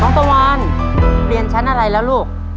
ตะวันเรียนชั้นอะไรแล้วลูก